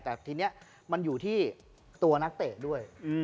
แต่ทีนี้มันอยู่ที่ตัวนักเตะด้วย